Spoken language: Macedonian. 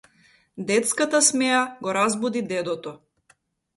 Детската смеа го разбуди дедото.